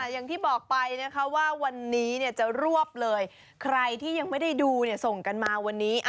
อย่างที่บอกไปนะคะว่าวันนี้จะรวบเลยใครที่ยังไม่ได้ดูส่งกันมาวันนี้